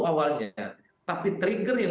awalnya tapi trigger yang